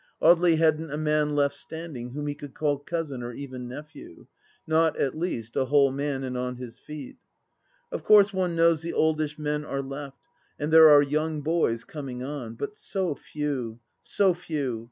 ,,, Audely hadn't a man left standing whom he could call cousin or even nephew !... Not, at least, a whole man and on his feet. .., Of course one knows the oldish men are left, and there are young boys coming on. But so few, so few